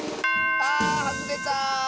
あはずれた！